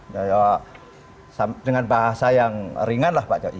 ya dengan bahasa yang ringan lah pak jokowi